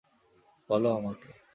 বলো আমাকে।